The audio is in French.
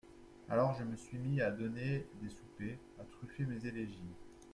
Alors, je me suis mis à donner des soupers… à truffer mes élégies !…